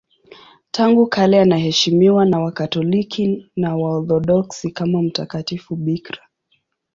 Tangu kale anaheshimiwa na Wakatoliki na Waorthodoksi kama mtakatifu bikira.